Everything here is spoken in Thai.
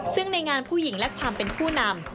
ซึ่งในงานผู้หญิงและความเป็นผู้นำ